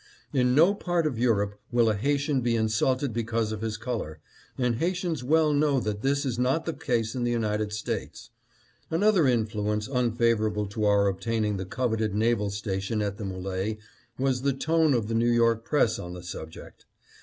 In no part of Europe will a Haitian be insulted because of his color, and Haitians well know that this is not the case in the United States. " Another influence unfavorable to our obtaining the coveted naval station at the M61e was the tone of the New York press on the subject.